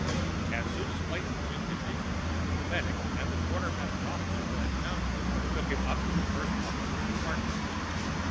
As soon as Clayton was in condition, the medic and the quartermaster officer who had found him took him up to the First Officer's compartment.